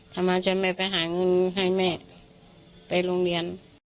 ทำไมจะไม่ไปหาเงินให้แม่ไปโรงเรียน